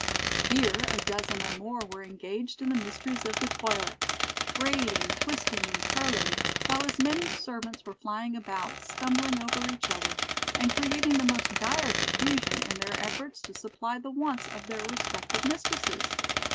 Here a dozen or more were engaged in the mysteries of the toilet, braiding, twisting, and curling, while as many servants were flying about, stumbling over each other, and creating the most dire confusion in their efforts to supply the wants of their respective mistresses.